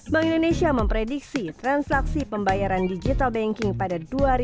bank indonesia memprediksi transaksi pembayaran digital banking pada dua ribu dua puluh